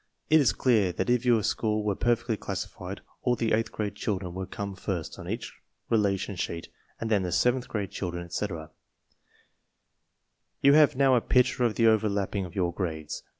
It is clear that if your school were perfectly classified, all the 8th grade children would come first on each relation sheet and then the 7th grade children, etc. You have now a picture of the overlapping of your grades.